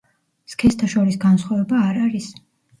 სქესთა შორის განსხვავება არ არის.